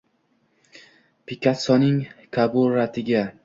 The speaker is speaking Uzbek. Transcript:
Pikassoning kabutariga